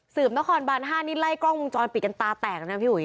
สืบนครบานห้านี่ไล่กล้องมุมจอลปิดกันตาแตกนะพี่หุย